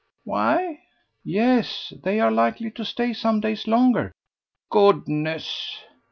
"Why?" "Yes. They are likely to stay some days longer." "Goodness!"